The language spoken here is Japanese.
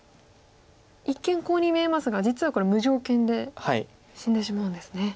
一見コウに見えますが実はこれ無条件で死んでしまうんですね。